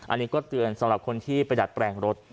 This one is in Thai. อันนี้ก็เตือนสำหรับคนที่ไปดัดแปลงรถ